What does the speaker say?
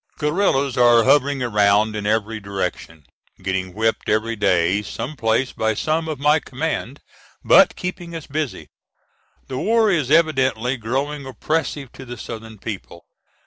Guerillas are hovering around in every direction, getting whipped every day some place by some of my command, but keeping us busy. The war is evidently growing oppressive to the Southern people.